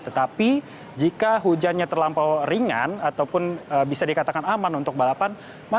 tetapi jika hujannya terlampau ringan ataupun bisa dikatakan aman untuk balapan